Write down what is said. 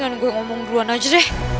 hah ini kan gue ngomong duluan aja deh